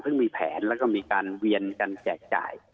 มีแผนแล้วก็มีการเวียนกันแจกจ่าย